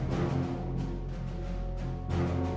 สวัสดีครับ